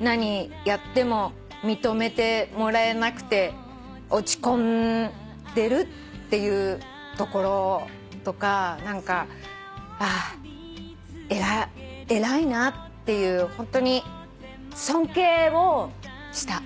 何やっても認めてもらえなくて落ち込んでるっていうところとか何かああ偉いなっていうホントに尊敬をした。